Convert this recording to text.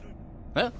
えっ？